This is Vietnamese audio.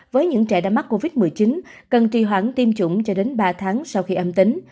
với những trẻ đã mắc covid một mươi chín cần trì hoãn tiêm chủng cho đến ba tháng sau khi âm tính